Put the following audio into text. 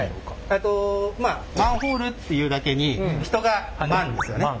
えっとまあマンホールっていうだけに人がマンですよね。